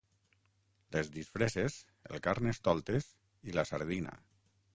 Les disfresses, el carnestoltes i la sardina.